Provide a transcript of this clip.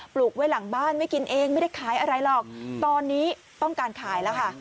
ลูกไว้หลังบ้านไม่กินเองไม่ได้ขายอะไรหรอกตอนนี้ต้องการขายแล้วค่ะ